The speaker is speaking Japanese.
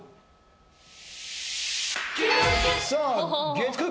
月９。